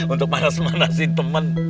untuk manas manasin temen